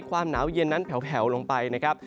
ความหนาวเย็นนั้นแผลวลงไปนะครับ